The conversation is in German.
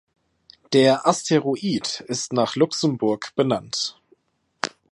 Der Asteroid ist nach Luxemburg benannt.